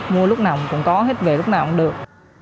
mua lúc nào cũng có hết về lúc nào cũng được